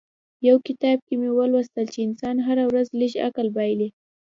يو کتاب کې مې ولوستل چې انسان هره ورځ لږ عقل بايلي.